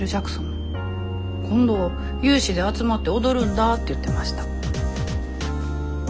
今度有志で集まって踊るんだって言ってました。